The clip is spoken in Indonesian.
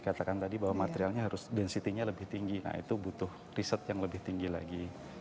ya kita katakan tadi bahwa materialnya harus densitinya lebih tinggi nah itu butuh riset yang lebih tinggi lagi